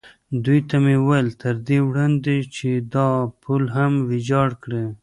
دوی ته مې وویل: تر دې وړاندې چې دا پل هم ویجاړ کړي.